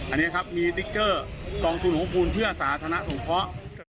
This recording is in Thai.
อันนี้ครับมีติ๊กเกอร์๒๖คูณเพื่อสาธารณะส่งเพราะ